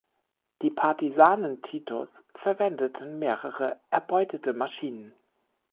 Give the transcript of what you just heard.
Die Partisanen Titos verwendeten mehrere erbeutete Maschinen.